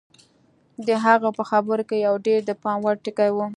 د هغه په خبرو کې یو ډېر د پام وړ ټکی و